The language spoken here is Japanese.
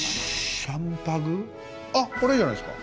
あっこれじゃないですか？